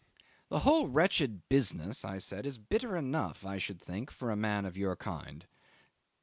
"The whole wretched business," I said, "is bitter enough, I should think, for a man of your kind